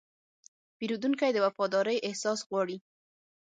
پیرودونکی د وفادارۍ احساس غواړي.